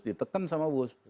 ditekan sama bush